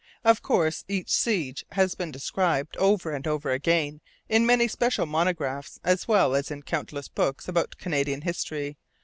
Of course, each siege has been described, over and over again, in many special monographs as well as in countless books about Canadian history.